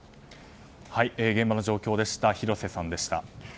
現場の状況でした広瀬さんでした。